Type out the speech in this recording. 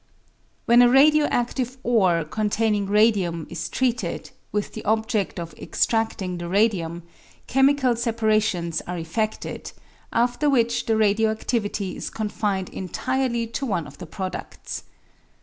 When a radio adive ore containing radium is treated, with the objed of extrading the radium, chemical separa tions are effeded, after which the radio adivity is confined entirely to one of the produds.